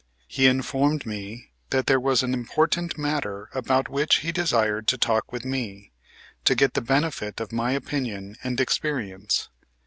He informed me that there was an important matter about which he desired to talk with me to get the benefit of my opinion and experience.